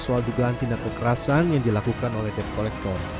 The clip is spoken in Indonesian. soal dugaan tindak kekerasan yang dilakukan oleh dep kolektor